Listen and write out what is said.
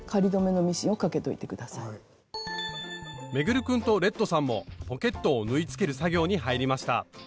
運君とレッドさんもポケットを縫いつける作業に入りました。